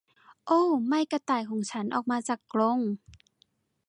โอ้ไม่กระต่ายของฉันออกมาจากกรง !